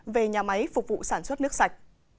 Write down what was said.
về nhà máy phục vụ sản xuất nước sạch